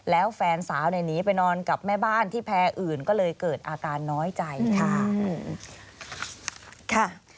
แล้วแฟนสาวเนี่ยหนีไปนอนกับแม่บ้านที่แพร่อื่นก็เลยเกิดอาการน้อยใจค่ะ